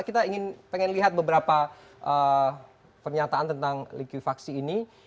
kita ingin lihat beberapa pernyataan tentang likuifaksi ini